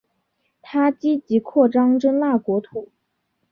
他积极扩张真腊国土。